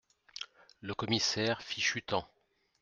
Le Commissaire Fichu temps !…